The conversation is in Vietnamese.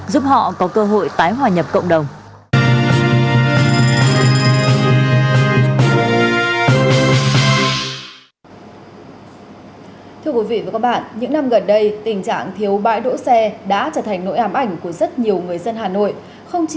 giúp họ có cơ hội tái hòa nhập cộng đồng